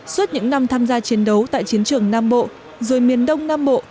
suốt những năm tham gia chiến đấu tại chiến trường nam bộ rồi miền đông nam bộ